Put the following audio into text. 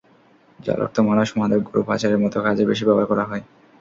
জাল অর্থ মানুষ, মাদক, গরু পাচারের মতো কাজে বেশি ব্যবহার করা হয়।